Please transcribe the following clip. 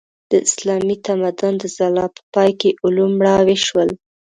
د اسلامي تمدن د ځلا په پای کې علوم مړاوي شول.